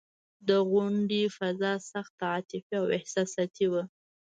د غونډې فضا سخته عاطفي او احساساتي وه.